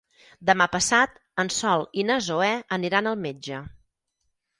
Demà passat en Sol i na Zoè aniran al metge.